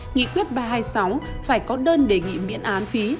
nghị quyết ba trăm hai mươi sáu phải có đơn đề nghị miễn án phí